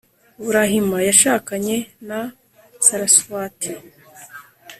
burahima yashakanye na saraswati